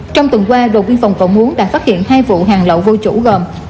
trong tuần qua đồn biên phòng cầu muốn đã phát hiện hai vụ hàng lậu vô chủ gồm